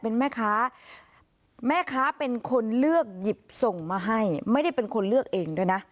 เป็นแม่ค้าแม่ค้าเป็นคนเลือกหยิบส่งมาให้ไม่ได้เป็นคนเลือกเองด้วยนะ